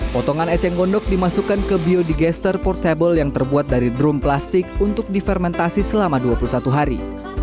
potongan eceng gondok dimasukkan ke biodigester portable yang terbuat dari drum plastik untuk difermentasi selama dua puluh satu hari